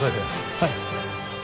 はい。